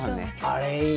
あれいい。